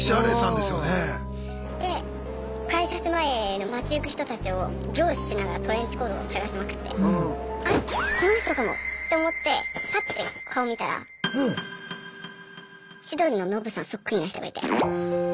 で改札前の街行く人たちを凝視しながらトレンチコートを探しまくってあっこの人かもって思ってパッて顔見たら千鳥のノブさんそっくりな人がいて。